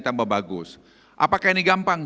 tambah bagus apakah ini gampang